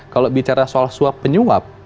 kalau bicara soal suap penyuap